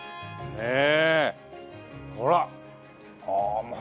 ねえ。